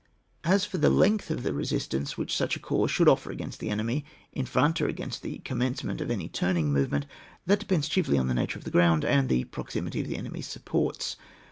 As for the length of the resistance which such a corps should offer against the attack in front, or against the commencement of any turning movement, that depends chiefly on the nature of the ground and the proximity of the enemy's supports.